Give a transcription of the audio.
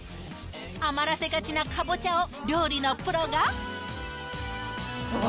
余らせがちなかぼちゃを料理のプロが。